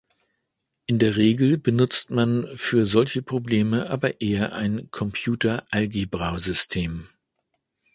In der Regel benutzt man für solche Probleme aber eher ein Computeralgebrasystem.